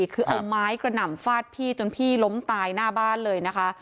คือเอาไม้กระหน่ำฟาดพี่จนพี่ล้มตายหน้าบ้านเลยนะคะ